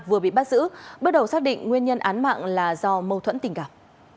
vừa bị bắt giữ bước đầu xác định nguyên nhân án mạng là do mâu thuẫn tình cảm